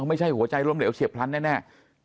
ไม่ใช่หัวใจล้มเหลวเฉียบพลันแน่